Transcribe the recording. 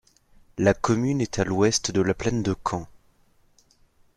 La commune est à l'ouest de la plaine de Caen.